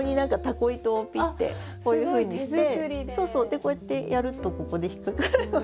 でこうやってやるとここで引っ掛かるので。